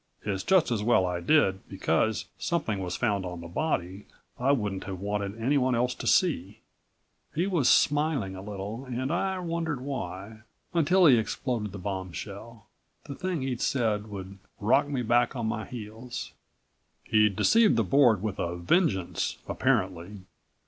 It's just as well I did, because something was found on the body I wouldn't have wanted anyone else to see." He was smiling a little and I wondered why, until he exploded the bombshell the thing he'd said would rock me back on my heels. "He'd deceived the Board with a vengeance, apparently.